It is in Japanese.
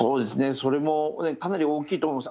それもかなり大きいと思います。